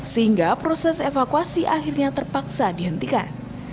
sehingga proses evakuasi akhirnya terpaksa dihentikan